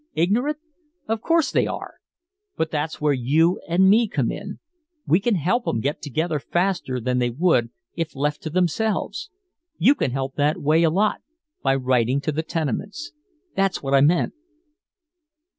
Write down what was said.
Ignorant? Of course they are! But that's where you and me come in we can help 'em get together faster than they would if left to themselves! You can help that way a lot by writing to the tenements! That's what I meant!"